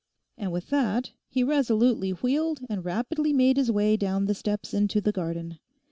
And with that he resolutely wheeled and rapidly made his way down the steps into the garden.